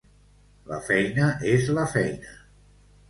La feina és la feina.